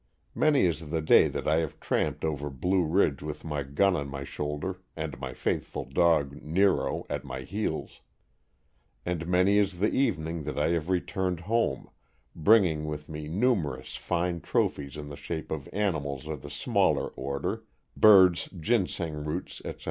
Many is the day that I have tramped over Blue Ridge with my gun on my shoulder, and my faithful dog, Nero, at my heels; and many is the evening that I have returned home, bringing with me numerous fine trophies in the shape of animals of the smaller order, birds, ginseng roots, etc.